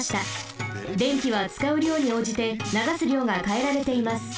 電気はつかうりょうにおうじてながすりょうがかえられています。